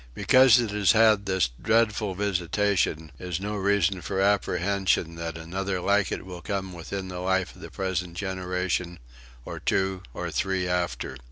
Because it has had this dreadful visitation is no reason for apprehension that another like it will come within the life of the present generation, or two or three after.